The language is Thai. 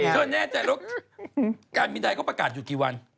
แน่ใจแล้วการบินไทยเขาประกาศอยู่กี่วัน